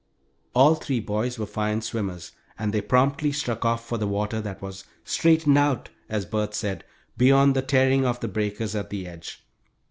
All three boys were fine swimmers, and they promptly struck off for the water that was "straightened out," as Bert said, beyond the tearing of the breakers at the edge.